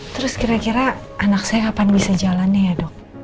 terus kira kira anak saya kapan bisa jalannya ya dok